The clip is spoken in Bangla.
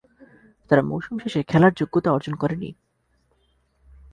তারা মৌসুম শেষে খেলার যোগ্যতা অর্জন করেনি।